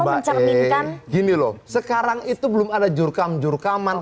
mbak e gini loh sekarang itu belum ada jurkam jurkaman